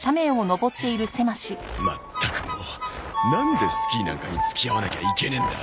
まったくもうなんでスキーなんかに付き合わなきゃいけねえんだ。